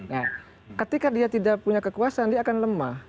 nah ketika dia tidak punya kekuasaan dia akan lemah